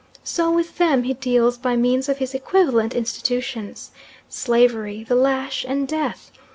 So with them he deals by means of his equivalent institutions, slavery, the lash, and death.